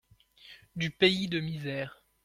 Du pays de misère.